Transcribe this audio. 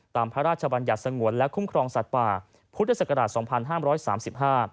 ตามพระราชบัญญัติสงวนและคุ้มครองสัตว์ป่าพุทธศักราช๒๕๓๕